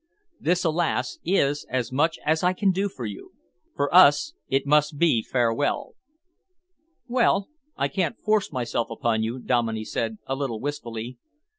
This, alas, is as much as I can do for you. For us it must be farewell." "Well, I can't force myself upon you," Dominey said a little wistfully.